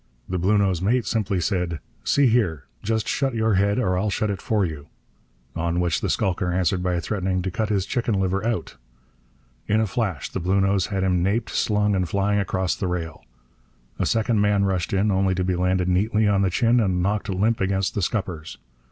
The Bluenose mate simply said, 'See here, just shut your head or I'll shut it for you,' on which the skulker answered by threatening to 'cut his chicken liver out.' In a flash the Bluenose had him naped, slung, and flying across the rail. A second man rushed in, only to be landed neatly on the chin and knocked limp against the scuppers.